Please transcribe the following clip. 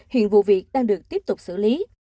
hiện vụ việc đang được tiếp tục xử lý